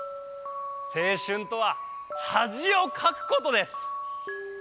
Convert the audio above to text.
青春とははじをかくことです。